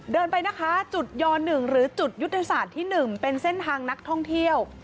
เดินไปนะคะจุดย๑หรือจุดยุทธศาสตร์ที่๑เป็นเส้นทางนักท่องเที่ยว